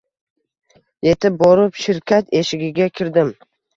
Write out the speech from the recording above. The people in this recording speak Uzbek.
Yetib borib shirkat eshigiga kirdim.